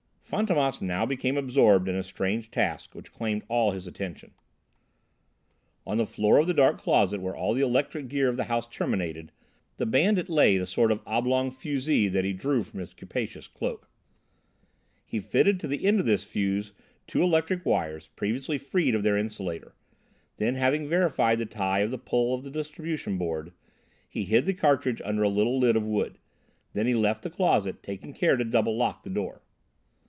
Fantômas now became absorbed in a strange task which claimed all his attention. On the floor of the dark closet where all the electric gear of the house terminated, the bandit laid a sort of oblong fusee that he drew from his capacious cloak. He fitted to the end of this fusee two electric wires previously freed of their insulator; then having verified the tie of the pulls of the distribution board, he hid the cartridge under a little lid of wood. Then he left the closet, taking care to double lock the door.